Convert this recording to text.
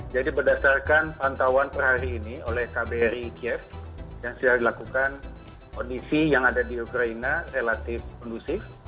jadi berdasarkan pantauan per hari ini oleh kbri kiev yang sudah dilakukan kondisi yang ada di ukraina relatif kondusif